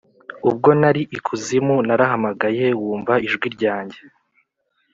ubwo nari ikuzimu narahamagaye, wumva ijwi ryanjye.